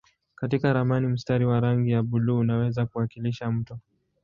Katika ramani mstari wa rangi ya buluu unaweza kuwakilisha mto.